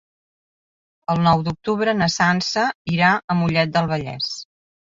El nou d'octubre na Sança irà a Mollet del Vallès.